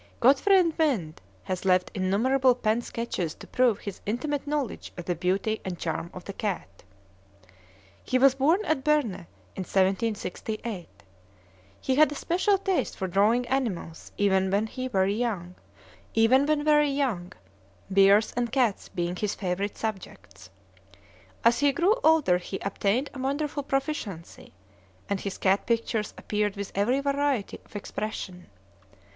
Gottfried Mind has left innumerable pen sketches to prove his intimate knowledge of the beauty and charm of the cat. He was born at Berne in 1768. He had a special taste for drawing animals even when very young, bears and cats being his favorite subjects. As he grew older he obtained a wonderful proficiency, and his cat pictures appeared with every variety of expression.